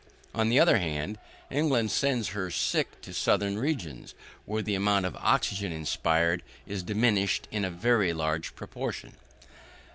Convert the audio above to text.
On the other hand, England sends her sick to southern regions, where the amount of the oxygen inspired is diminished in a very large proportion.